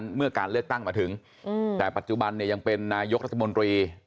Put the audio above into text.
เมื่อการเลือกตั้งมาถึงแต่ปัจจุบันเนี่ยยังเป็นนายกรัฐมนตรี